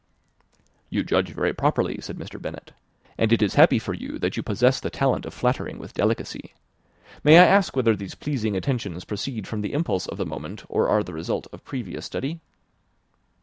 "You judge very properly," said Mr. Bennet; "and it is happy for you that you possess the talent of flattering with delicacy. May I ask whether these pleasing attentions proceed from the impulse of the moment, or are the result of previous study?"